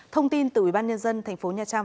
thông tin từ ủy ban nhân dân tp nha trang